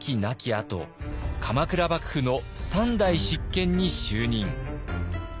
あと鎌倉幕府の３代執権に就任。